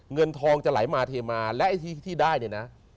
เงินทองจะไหลมาเทมาและไอ้ที่ได้เนี่ยนะ